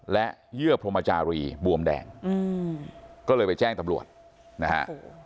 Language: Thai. และเยื่อพรมจารีบวมแดงก็เลยไปแจ้งตำรวจนะฮะ